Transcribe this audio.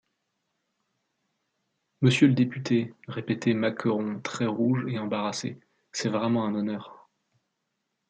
Monsieur le député, répétait Macqueron très rouge et embarrassé, c’est vraiment un honneur...